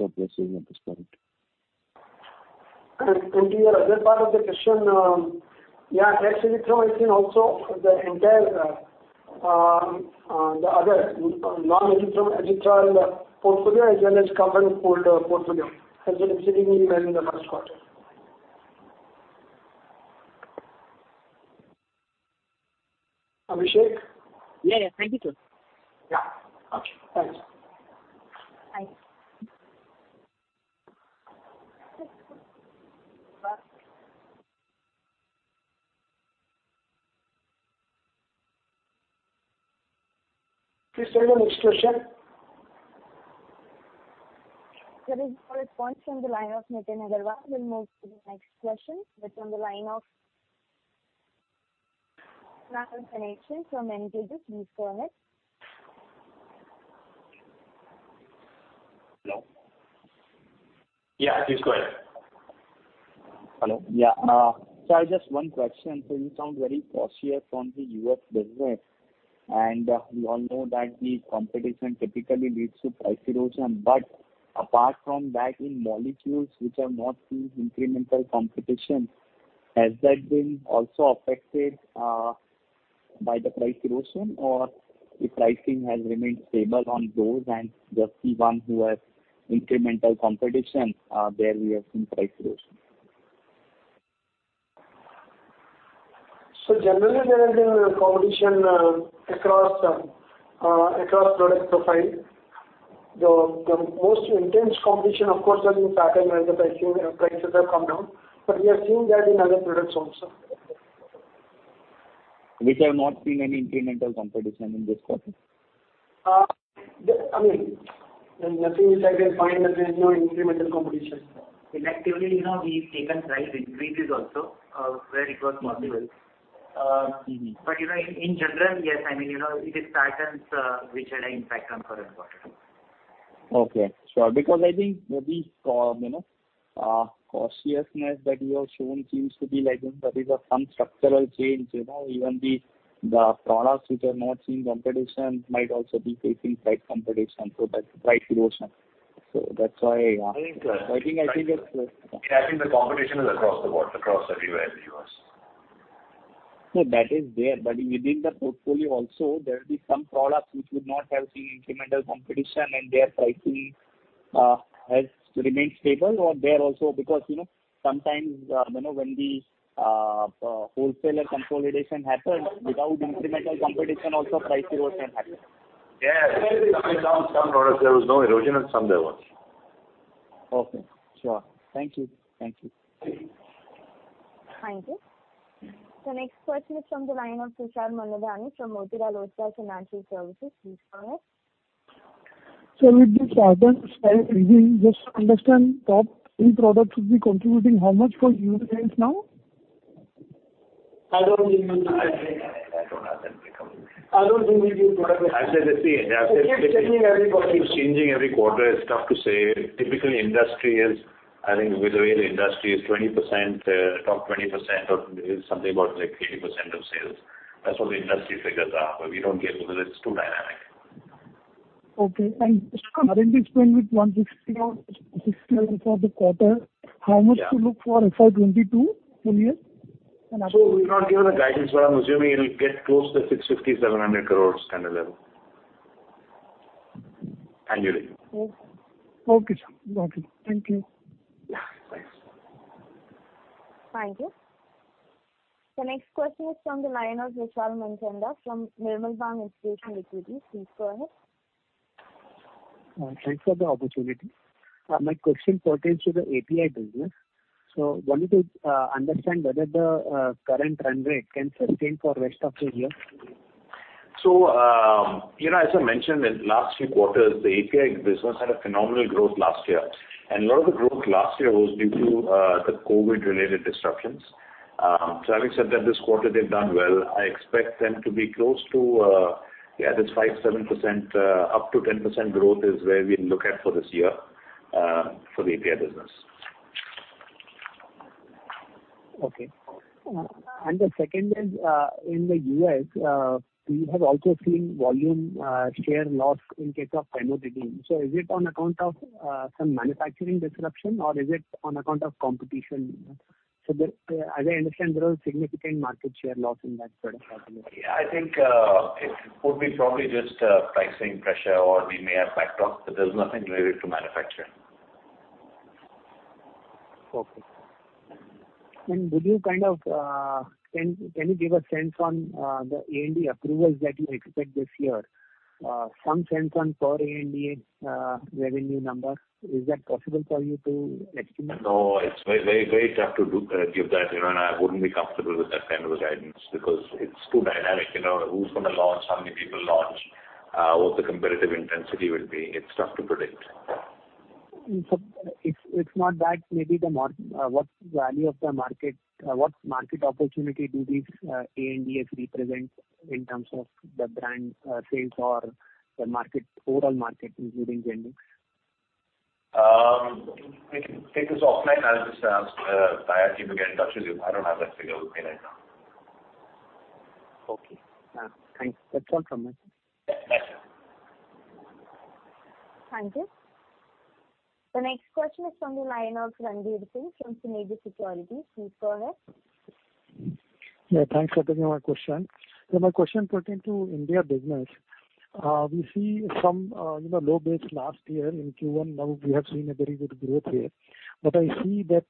our blessing at this point. To your other part of the question, yeah, ex-azithromycin I think also the entire other non-azithromycin portfolio as well as company portfolio has been sitting even in the first quarter. Abhishek? Yeah. Thank you, sir. Yeah. Okay. Thanks. Please tell your next question. There is no response from the line of Nitin Agarwal. We'll move to the next question. It's on the line of Rahul Saneesh from Axis. Please go ahead. Hello. Yeah. Please go ahead. Hello. Yeah. Just one question. You sound very cautious from the U.S. business, and we all know that the competition typically leads to price erosion. Apart from that, in molecules which have not seen incremental competition, has that been also affected by the price erosion, or the pricing has remained stable on those and just the ones who have incremental competition, there we have seen price erosion? Generally, there has been competition across product profile. The most intense competition, of course, has been patent where the prices have come down, but we have seen that in other products also. Which have not seen any incremental competition in this quarter? Nothing which I can point that there is no incremental competition. In activity, we've taken price increases also, where it was possible. In general, yes, it is sartans which are in fact uncovered quarter. Okay. Sure. I think maybe cautiousness that you have shown seems to be like in the case of some structural change. Even the products which are not seeing competition might also be facing price competition, that's price erosion. That's why I asked. I think the competition is across the board, across everywhere in the U.S. No, that is there. Within the portfolio also, there will be some products which would not have seen incremental competition and their pricing has remained stable. There also because sometimes when the wholesaler consolidation happens without incremental competition also price erosion happens. Yeah. In some products there was no erosion, in some there was. Okay. Sure. Thank you. Thank you. The next question is from the line of Tushar Manudhane from Motilal Oswal Financial Services. Please go ahead. Sir, with this Ardent sale, just to understand, top three products will be contributing how much for you guys now? I don't think we give product-wise. I don't have that breakdown. I don't think we give product-wise. As I just said- It keeps changing every quarter it's changing every quarter. It's tough to say. Typically, industry is, I think with the way the industry is, top 20% or is something about like 80% of sales. That's what the industry figures are. We don't give because it's too dynamic. Okay. Currently standing with 160 crore for the quarter. Yeah. How much to look for FY 2022 full year? We've not given the guidance, but I'm assuming it'll get close to 650 crore-700 crore kind of level. Annually. Okay, sir. Thank you. Yeah. Thanks. Thank you. The next question is from the line of Vishal Manchanda from Nirmal Bang Institutional Equities. Please go ahead. Thanks for the opportunity. My question pertains to the API business. Wanted to understand whether the current run rate can sustain for rest of the year. As I mentioned in last few quarters, the API business had a phenomenal growth last year, and a lot of the growth last year was due to the COVID-related disruptions. Having said that, this quarter they've done well. I expect them to be close to this 5%, 7%, up to 10% growth is where we look at for this year for the API business. Okay. The second is, in the U.S., we have also seen volume share loss in case of penicillins. Is it on account of some manufacturing disruption, or is it on account of competition? As I understand, there was significant market share loss in that product category. I think it would be probably just pricing pressure or we may have backed off, but there's nothing related to manufacturing. Okay. Can you give a sense on the ANDA approvals that you expect this year, some sense on per ANDA revenue number? Is that possible for you to estimate? No, it's very tough to give that, and I wouldn't be comfortable with that kind of a guidance because it's too dynamic. Who's going to launch, how many people launch, what the competitive intensity will be. It's tough to predict. If it's not that, maybe what value of the market, what market opportunity do these ANDAs represent in terms of the brand sales or the overall market, including generic? We can take this offline. I'll just ask the IR team to get in touch with you. I don't have that figure with me right now. Okay. Thanks. That's all from me. Yeah. Thanks. Thank you. The next question is from the line of Ranjit Singh from Cengage Securities. Please go ahead. Yeah, thanks for taking my question. My question pertain to India business. We see some low base last year in Q1. Now we have seen a very good growth here, but I see that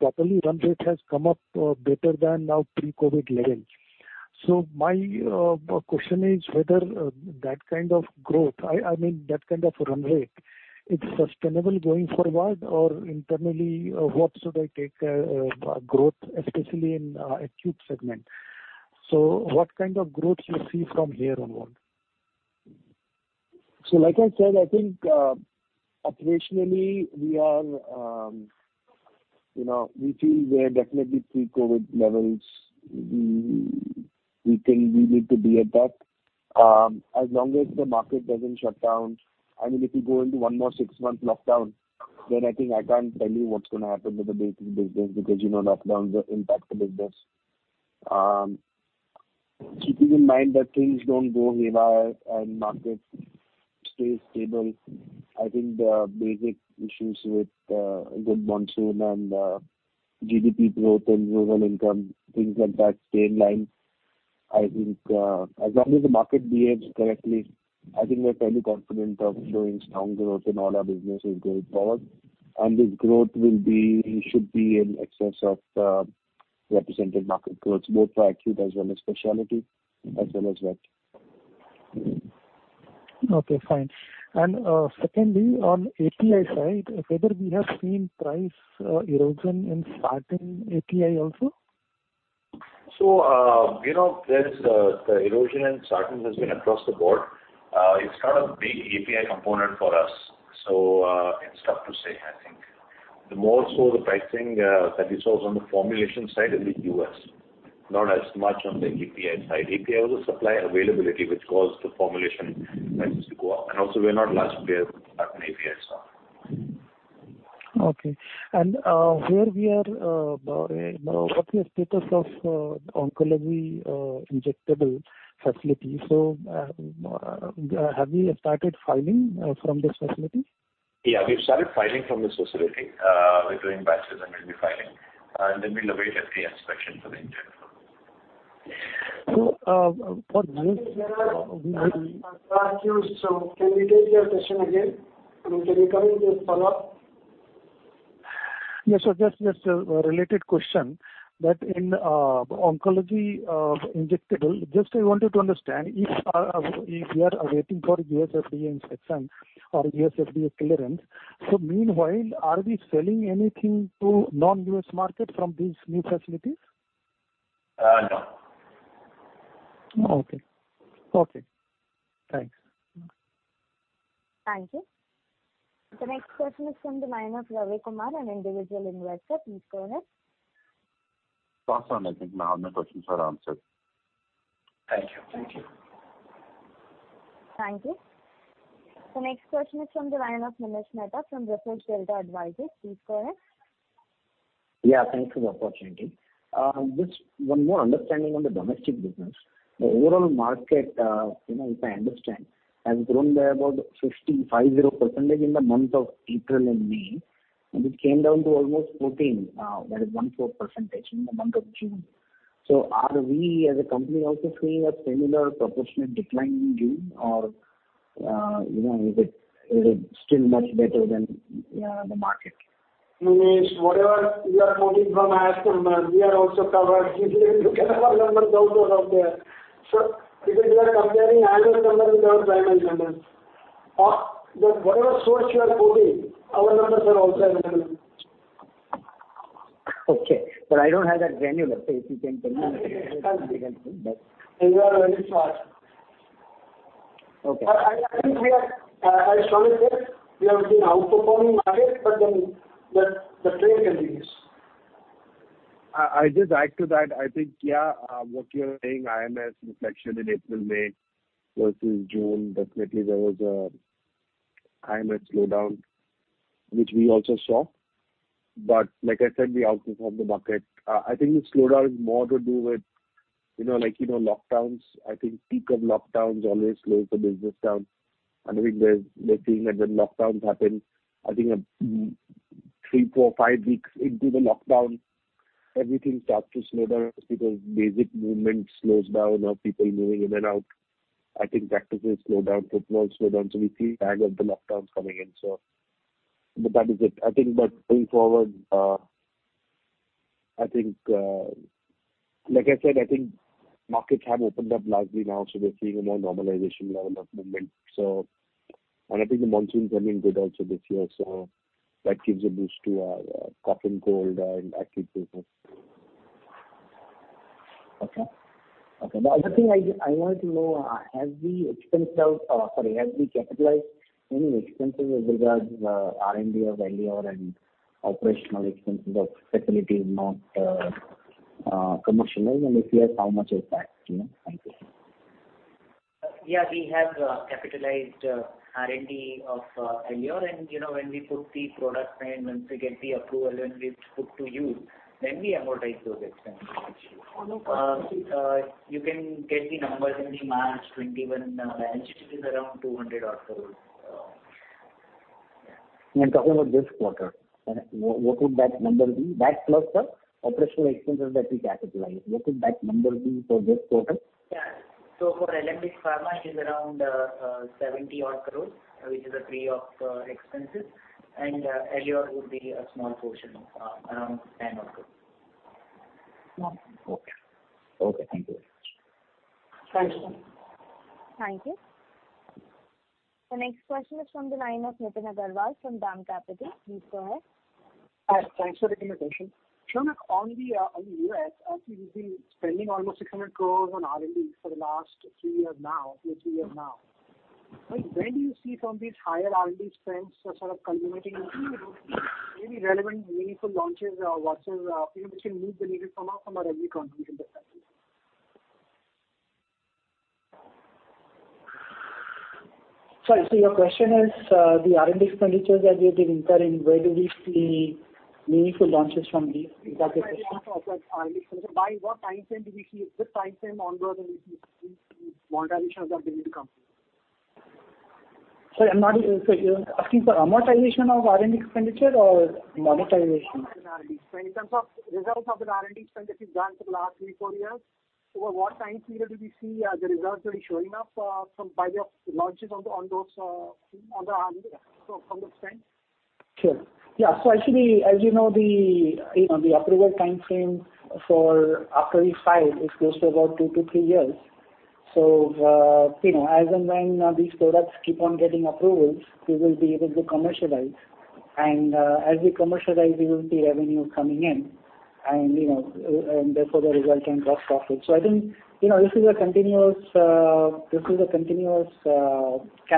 probably run rate has come up better than now pre-COVID levels. My question is whether that kind of growth, I mean, that kind of run rate, it's sustainable going forward? Internally, what should I take growth, especially in acute segment. What kind of growth you see from here onward? Like I said, I think operationally we feel we're definitely pre-COVID levels. We think we need to be at that. As long as the market doesn't shut down. I mean, if we go into one more six-month lockdown, then I think I can't tell you what's going to happen with the basic business because lockdowns impact the business. Keeping in mind that things don't go haywire and markets stay stable, I think the basic issues with a good monsoon and GDP growth and rural income, things like that stay in line. I think as long as the market behaves correctly, I think we're fairly confident of showing strong growth in all our businesses going forward. This growth should be in excess of represented market growth, both for acute as well as specialty, as well as vet. Okay, fine. Secondly, on API side, whether we have seen price erosion in sartan API also? There's the erosion in sartans has been across the board. It's not a big API component for us. It's tough to say, I think. The more so the pricing that we saw is on the formulation side in the U.S., not as much on the API side. API was a supply availability, which caused the formulation prices to go up. Also we're not large players in sartan API as well. Okay. What's the status of oncology injectable facility? Have we started filing from this facility? Yeah, we've started filing from this facility. We're doing batches and we'll be filing. Then we'll await FDA inspection for the India facility. So for- Sir, can we take your question again? Can you kindly just follow up? Yeah, just a related question that in oncology injectable, just I wanted to understand if we are waiting for U.S. FDA inspection or U.S. FDA clearance. Meanwhile, are we selling anything to non-U.S. market from these new facilities? No Okay. Thanks. Thank you. The next question is from the line of Ravi Kumar, an individual investor. Please go ahead. No, I think I have my questions were answered. Thank you. Thank you. The next question is from the line of Nimish Mehta from Research Delta Advisors. Please go ahead. Yeah, thanks for the opportunity. Just one more understanding on the domestic business. The overall market, if I understand, has grown by about 50% in the month of April and May, and it came down to almost 14%, that is 14% in the month of June. Are we as a company also seeing a similar proportionate decline in June or is it still much better than the market? Nimish, whatever you are quoting from IMS, we are also covered, you can have our numbers also out there. Because you are comparing annual numbers with our provisional numbers. Whatever source you are quoting, our numbers are also available. Okay. I don't have that granular. If you can tell me. You are very smart. Okay. I think we are, as strongly said, we have been outperforming market. The trail continues. I just add to that, I think, what you are saying, IMS reflection in April, May versus June, definitely there was a IMS slowdown, which we also saw. Like I said, we outperform the market. I think the slowdown is more to do with lockdowns. I think peak of lockdowns always slows the business down. I think they're seeing that when lockdowns happen, I think three, four, five weeks into the lockdown, everything starts to slow down because basic movement slows down of people moving in and out. I think practices slow down, footfall slow down. We see the lag of the lockdowns coming in. That is it. I think going forward, like I said, I think markets have opened up largely now, we're seeing a more normalization level of movement. I think the monsoons have been good also this year, so that gives a boost to our cotton, gold and agri business. Okay. The other thing I wanted to know, have we capitalized any expenses with regards R&D or Aleor and operational expenses of facilities not commercialized? If yes, how much is that? Thank you. Yeah, we have capitalized R&D of Aleor. When we put the products and once we get the approval and we put to use, then we amortize those expenses. You can get the numbers in the March 2021 financial, it is around 200 odd crores. I'm talking about this quarter. What would that number be? That plus the operational expenses that we capitalized. What would that number be for this quarter? For Alembic Pharmaceuticals, it is around 70 odd crores, which is the pre-OpEx, and Aleor would be a small portion of around 10 odd crores. Okay. Thank you very much. Thanks. Thank you. The next question is from the line of Nitin Agarwal from DAM Capital. Please go ahead. Hi, thanks for the invitation. Sharma, on the U.S., you've been spending almost 600 crores on R&D for the last three years now. When do you see some of these higher R&D spends sort of culminating into maybe relevant, meaningful launches or whatever, which can move the needle from an R&D contribution perspective? Sorry. Your question is, the R&D expenditures that we have been incurring, where do we see meaningful launches from these? Is that the question? By what time frame do we see this time frame ongoing, and we see monetization of the same company? Sorry, you're asking for amortization of R&D expenditure or monetization? In terms of results of the R&D spend that you've done for the last three, four years, over what time period do we see the results really showing up by way of launches from the spend? Sure. Yeah. Actually, as you know, the approval time frame after we file is close to about two to three years. As and when these products keep on getting approvals, we will be able to commercialize. As we commercialize, we will see revenue coming in and therefore the result in gross profit. I think this is a continuous kind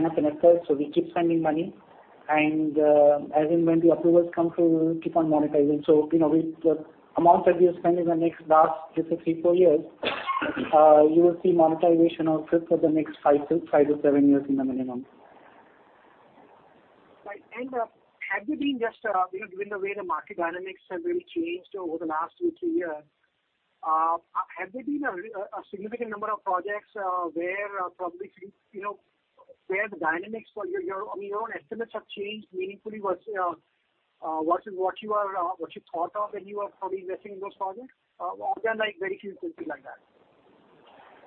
of an effort. We keep spending money. As and when the approvals come through, we will keep on monetizing. The amounts that we have spent in the next, say, three, four years, you will see monetization of it for the next five to seven years in the minimum. Right. Have there been just, given the way the market dynamics have really changed over the last two, three years, have there been a significant number of projects where the dynamics for your own estimates have changed meaningfully versus what you thought of when you were probably investing in those projects? Or they are very few and simple like that?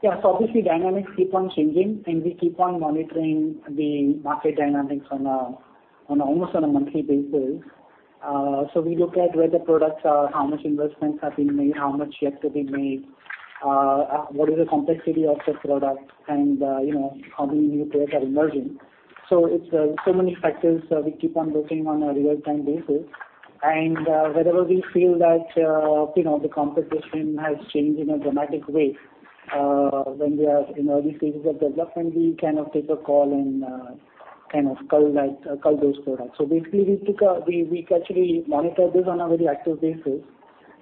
Yeah. Obviously dynamics keep on changing, and we keep on monitoring the market dynamics almost on a monthly basis. We look at where the products are, how much investments have been made, how much yet to be made, what is the complexity of the product, and how many new players are emerging. It's so many factors we keep on looking on a real-time basis. Wherever we feel that the competition has changed in a dramatic way when we are in early stages of development, we take a call and cull those products. Basically, we actually monitor this on a very active basis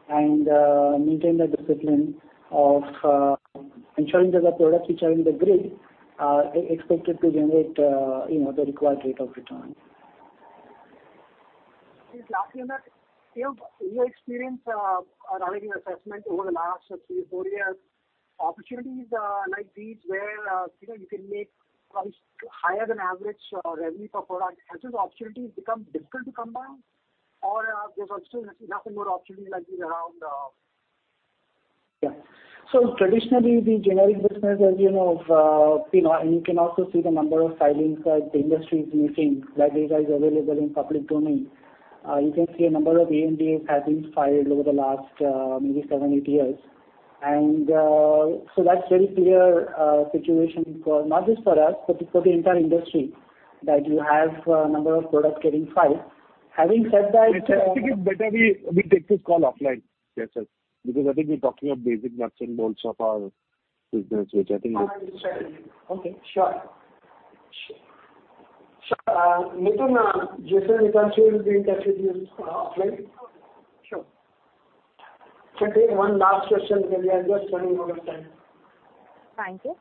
and maintain the discipline of ensuring that the products which are in the grid are expected to generate the required rate of return. Last thing that, your experience around your assessment over the last three or four years, opportunities like these where you can make price higher than average revenue per product, have those opportunities become difficult to come by, or are there still enough more opportunities like these around? Yeah. Traditionally, the generic business, and you can also see the number of filings the industry is making. That data is available in public domain. You can see a number of ANDA have been filed over the last maybe seven, eight years. That's very clear situation, not just for us, but for the entire industry, that you have a number of products getting filed. Having said that. I think it's better we take this call offline. Yes, sir. I think we're talking of basic nuts and bolts of our business, which I think is. I understand. Okay. Sure. Nitin, Jesal, Deepanshu will be in touch with you offline. Sure. Okay, one last question because we are just running out of time. Thank you.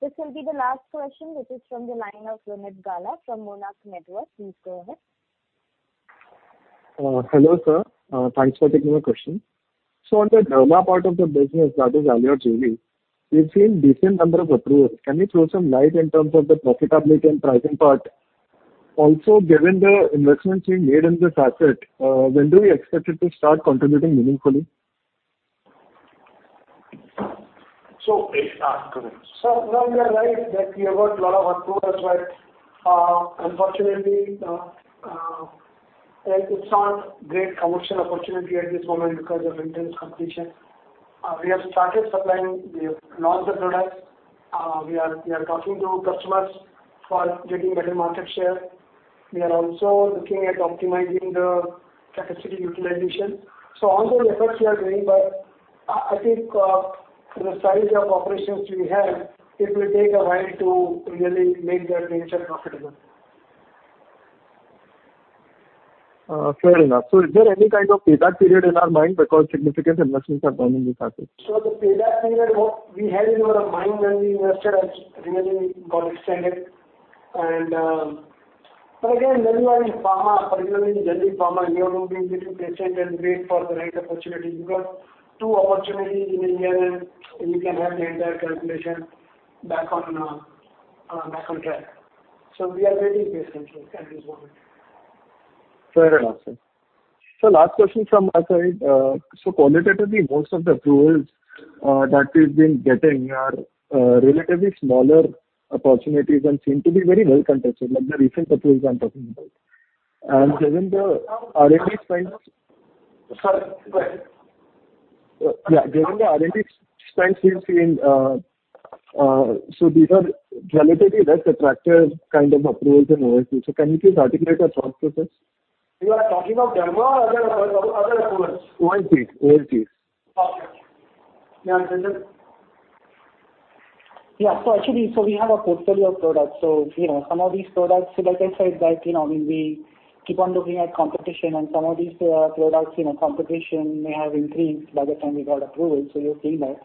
This will be the last question, which is from the line of Vineet Gala from Monarch Networth. Please go ahead. Hello, sir. Thanks for taking my question. On the derma part of the business that is on your JV, we've seen decent number of approvals. Can you throw some light in terms of the profitability and pricing part? Also, given the investments being made in this asset, when do you expect it to start contributing meaningfully? Sir, you are right that we have got lot of approvals, but unfortunately, it's not great commercial opportunity at this moment because of intense competition. We have started supplying, we have launched the product. We are talking to customers for getting better market share. We are also looking at optimizing the capacity utilization. All those efforts we are doing, but I think for the size of operations we have, it will take a while to really make that venture profitable. Fair enough. Is there any kind of payback period in our mind because significant investments are done in this asset? The payback period we had in our mind when we invested has really got extended. Again, when you are in pharma, particularly in generic pharma, you have to be a little patient and wait for the right opportunity. You've got two opportunities in a year, and you can have the entire calculation back on track. We are very patient at this moment. Fair enough, sir. Sir, last question from our side. Qualitatively, most of the approvals that we've been getting are relatively smaller opportunities and seem to be very well contested, like the recent approvals I'm talking about. Given the R&D spend- Sorry, what? Yeah, given the R&D spend we've seen, these are relatively less attractive kind of approvals and OFEs. Can you please articulate your thought process? You are talking of derma or other approvals? OFEs. Okay. Yeah. Actually, we have a portfolio of products. Some of these products, like I said, that we keep on looking at competition and some of these products competition may have increased by the time we got approval. You're seeing that.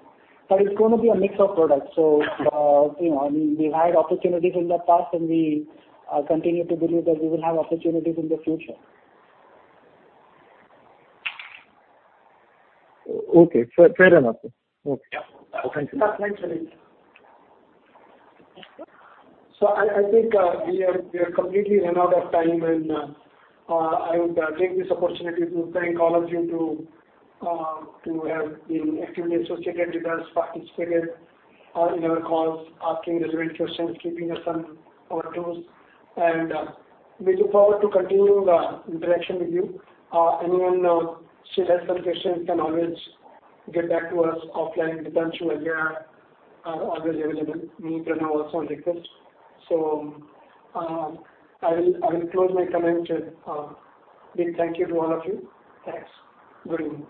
It's going to be a mix of products. We've had opportunities in the past, and we continue to believe that we will have opportunities in the future. Okay. Fair enough, sir. Okay. Yeah. Thank you. Thanks, Vineet. I think we are completely run out of time, and I would take this opportunity to thank all of you to have been actively associated with us, participated in our calls, asking relevant questions, keeping us on our toes. We look forward to continuing the interaction with you. Anyone who still has some questions can always get back to us offline. Deepanshu and I are always available. Me, Pranav Amin also on request. I will close my comments with a big thank you to all of you. Thanks. Good evening.